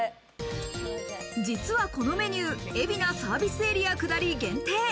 実はこのメニュー、海老名サービスエリア下り限定。